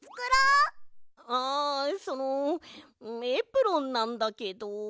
あそのエプロンなんだけど。